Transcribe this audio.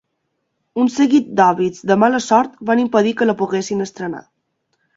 Un seguit d'òbits de mala sort van impedir que la poguessin estrenar.